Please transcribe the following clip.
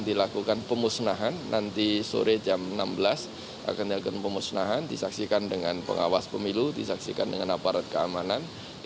disaksikan dengan pengawas pemilu disaksikan dengan aparat keamanan